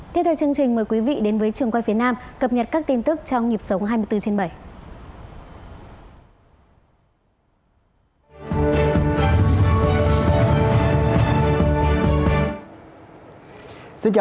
tiếp theo chương trình mời quý vị đến với trường quay phía nam cập nhật các tin tức trong nhịp sống hai mươi bốn trên bảy